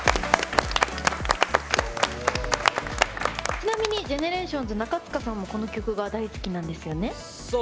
ちなみにＧＥＮＥＲＡＴＩＯＮＳ中務さんもこの曲が大好きなんですよね。